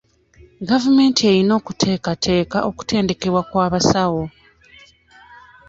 Gavumenti eyina okuteekateka okutendekebwa kw'abasawo.